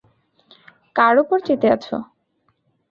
কার উপর চেতে আছো?